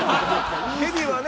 ヘビはね